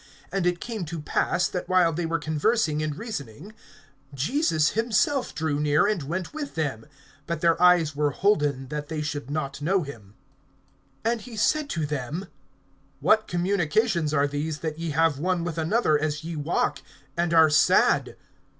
(15)And it came to pass, that while they were conversing and reasoning, Jesus himself drew near, and went with them. (16)But their eyes were holden that they should not know him. (17)And he said to them: What communications are these, that ye have one with another, as ye walk, and are sad?